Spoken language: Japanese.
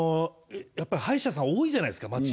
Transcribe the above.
やっぱり歯医者さん多いじゃないですか